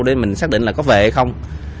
để mình xác định là có về hay không